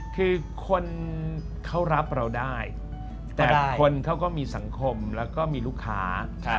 คือคนเขารับเราได้แต่คนเขาก็มีสังคมแล้วก็มีลูกค้า